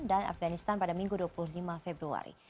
dan afganistan pada minggu dua puluh lima februari